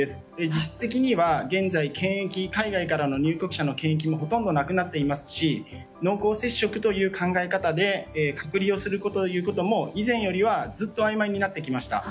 実質的には海外の入国者からの検疫もほとんどなくなっていますし濃厚接触という考え方で隔離をするということも以前よりはあいまいになってきました。